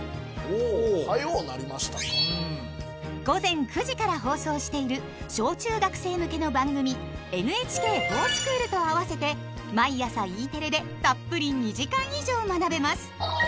午前９時から放送している小・中学生向けの番組「ＮＨＫｆｏｒＳｃｈｏｏｌ」と合わせて毎朝Ｅテレでたっぷり２時間以上学べます。